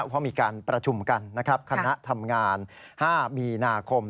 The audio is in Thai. เพราะมีการประชุมกันนะครับคณะทำงาน๕มีนาคม